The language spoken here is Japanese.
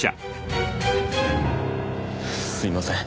すいません。